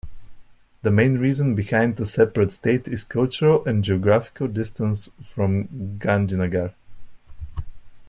The main reason behind a separate state is cultural and geographical distance from Gandhinagar.